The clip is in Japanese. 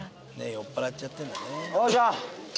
酔っ払っちゃってんだね。おいしょ。